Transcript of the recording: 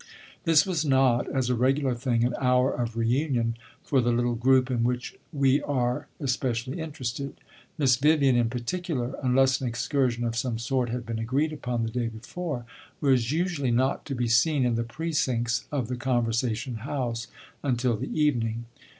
This was not, as a regular thing, an hour of re union for the little group in which we are especially interested; Miss Vivian, in particular, unless an excursion of some sort had been agreed upon the day before, was usually not to be seen in the precincts of the Conversation house until the evening.